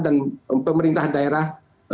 dan pemerintah daerah